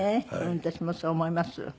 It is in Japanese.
私もそう思います。